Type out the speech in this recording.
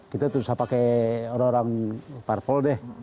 kita susah pakai orang orang parpol deh